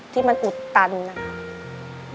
ที่มันอุดตันนะครับ